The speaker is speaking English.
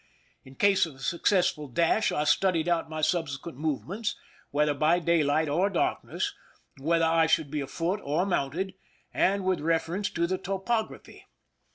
In case of a successful dash, I studied out my subsequent movements, whether by daylight or darkness, whether I should be afoot or mounted, and with reference to the topography.